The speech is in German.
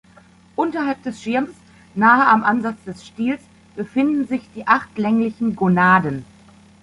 Unterhalb des Schirmes, nahe am Ansatz des Stiels befinden sich die acht länglichen Gonaden.